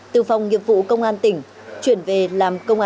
từ phòng nghiệp vụ công an tỉnh chuyển về làm công an